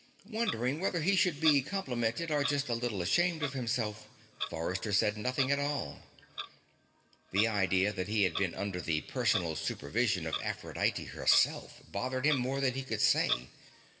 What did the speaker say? Wondering whether he should be complimented or just a little ashamed of himself, Forrester said nothing at all. The idea that he had been under the personal supervision of Aphrodite herself bothered him more than he could say.